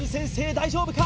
大丈夫か？